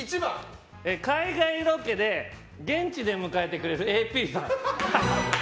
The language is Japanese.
海外ロケで現地で迎えてくれるＡＰさん。